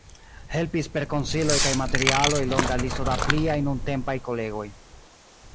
Helpis per konsiloj kaj materialoj longa listo da pliaj nuntempaj kolegoj.